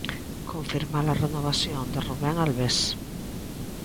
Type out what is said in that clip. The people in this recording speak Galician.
Confirmar a renovación de Rubén Albés.